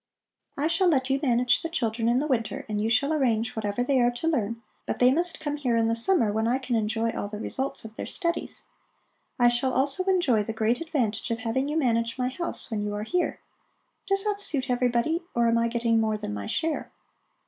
I shall let you manage the children in the winter, and you shall arrange whatever they are to learn, but they must come here in the summer when I can enjoy all the results of their studies. I shall also enjoy the great advantage of having you manage my house when you are here. Does that suit everybody, or am I getting more than my share?"